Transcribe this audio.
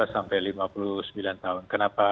sampai lima puluh sembilan tahun kenapa